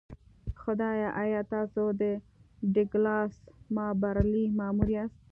خدایه ایا تاسو د ډګلاس مابرلي مور یاست